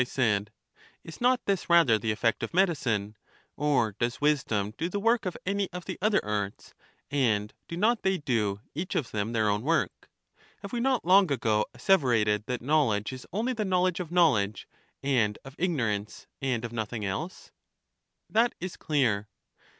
I said; is not this rather the effect of medicine? Or does wisdom do the work of any of the other arts, and do not they do, each of them, their own work? Have we not long ago 40 CHARMIDES asseverated that knowledge is only the knowledge of knowledge and of ignorance, and of nothing else? That is clear.